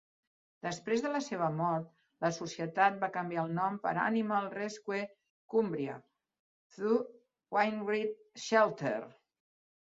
Després de la seva mort, la societat va canviar el nom per "Animal Rescue Cumbria - The Wainwright Shelter".